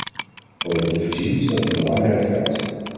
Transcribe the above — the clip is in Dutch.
Politiek gezien is dat een belangrijk feit.